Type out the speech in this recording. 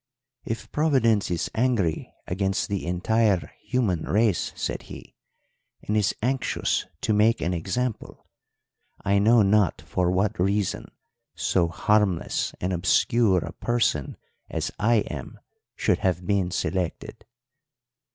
"'If Providence is angry against the entire human race,' said he, 'and is anxious to make an example, I know not for what reason so harmless and obscure a person as I am should have been selected.'